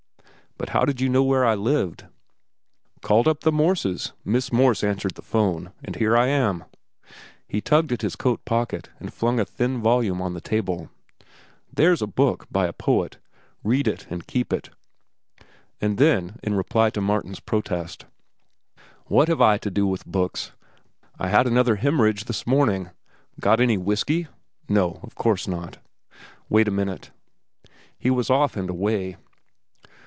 "But how did you know where I lived?" "Called up the Morses. Miss Morse answered the 'phone. And here I am." He tugged at his coat pocket and flung a thin volume on the table. "There's a book, by a poet. Read it and keep it." And then, in reply to Martin's protest: "What have I to do with books? I had another hemorrhage this morning. Got any whiskey? No, of course not. Wait a minute." He was off and away.